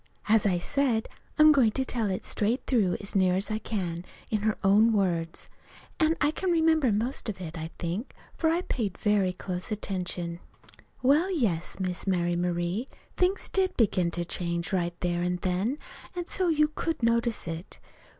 As I said, I'm going to tell it straight through as near as I can in her own words. And I can remember most of it, I think, for I paid very close attention. "Well, yes, Miss Mary Marie, things did begin to change right there an' then, an' so you could notice it.